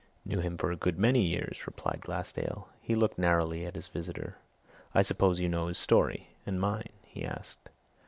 "Knew him for a good many years," replied Glassdale. He looked narrowly at his visitor. "I suppose you know his story and mine?" he asked.